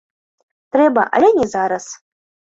Трэба, але не зараз.